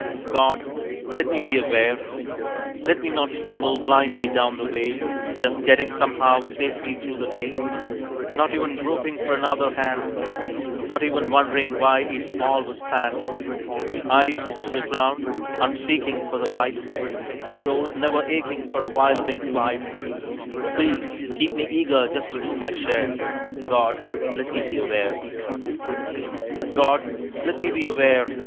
God let me be aware. Let me not stumble blindly down the ways, Just getting somehow safely through the days, Not even groping for another hand, Not even wondering why it all was planned, Eyes to the ground unseeking for the light, Soul never aching for a wild winged flight, Please, keep me eager just to do my share. God let me be aware. God let me be aware.